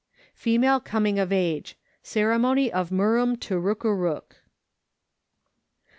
Female coming of Age Ceremony of Murrnm Turrukerook.